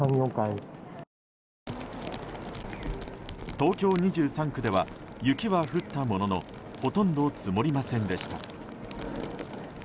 東京２３区では雪は降ったもののほとんど積もりませんでした。